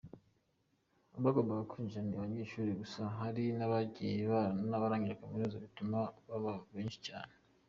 Abagombaga kwinjira ni abanyeshuri gusa hari hagiye n’ abarangije kaminuza bituma baba benshi cyane.